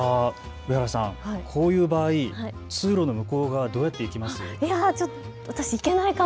上原さん、こういう場合、通路の向こう側にどうやって行きますか。